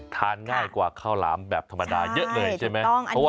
ทานง่ายกว่าข้าวหลามแบบธรรมดาเยอะเลยใช่ไหม